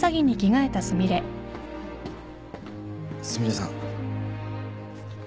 すみれさん。